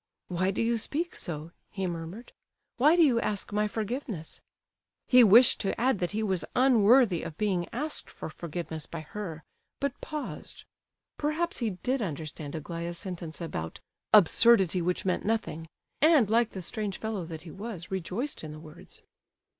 "Why do you speak so?" he murmured. "Why do you ask my forgiveness?" He wished to add that he was unworthy of being asked for forgiveness by her, but paused. Perhaps he did understand Aglaya's sentence about "absurdity which meant nothing," and like the strange fellow that he was, rejoiced in the words.